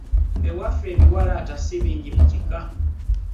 Ewaffe ebiwalaata si bingi mu kika.